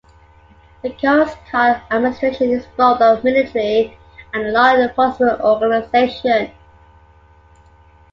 The Coast Guard Administration is both a military and a law enforcement organization.